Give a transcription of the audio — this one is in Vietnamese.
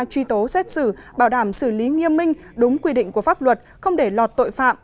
truy tố xét xử bảo đảm xử lý nghiêm minh đúng quy định của pháp luật không để lọt tội phạm